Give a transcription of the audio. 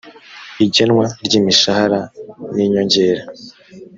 igenwa ry’imishahara n’inyongera